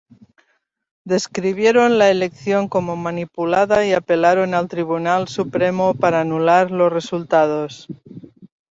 Describieron la elección como manipulada y apelaron al Tribunal Supremo para anular los resultados.